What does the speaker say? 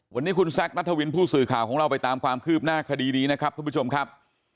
วันนี้คุณแซคนัทวินผู้สื่อข่าวของเราไปตามความคืบหน้าคดีนี้นะครับทุกผู้ชมครับ